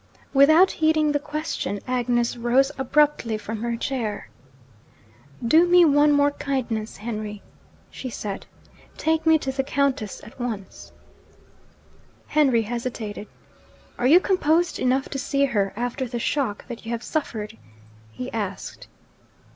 Without heeding the question, Agnes rose abruptly from her chair. 'Do me one more kindness, Henry,' she said. 'Take me to the Countess at once.' Henry hesitated. 'Are you composed enough to see her, after the shock that you have suffered?' he asked.